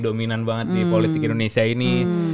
dominan banget di politik indonesia ini